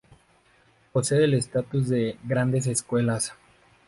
Posee el estatus de "Grandes Escuelas".